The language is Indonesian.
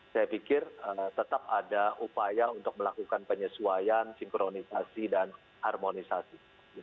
saya pikir tetap ada upaya untuk melakukan penyesuaian sinkronisasi dan harmonisasi